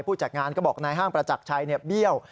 ผู้จัดงานก็บอกในห้างประจักษ์ชัยเบี้ยว